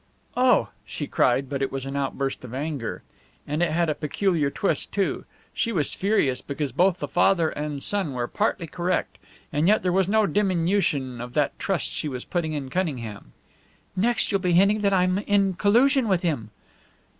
"Oh!" she cried, but it was an outburst of anger. And it had a peculiar twist, too. She was furious because both father and son were partly correct; and yet there was no diminution of that trust she was putting in Cunningham. "Next you'll be hinting that I'm in collusion with him!"